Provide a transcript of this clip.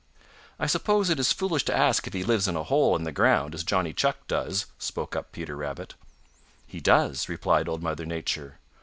"I suppose it is foolish to ask if he lives in a hole in the ground as Johnny Chuck does," spoke up Peter Rabbit. "He does," replied Old Mother Nature.